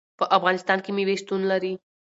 په افغانستان کې مېوې شتون لري.